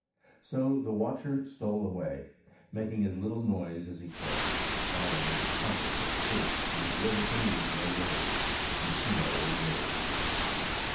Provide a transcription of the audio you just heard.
So the watcher stole away, making as little noise as he could, following his compass of twigs to where the canoes lay ready and Simmo was waiting.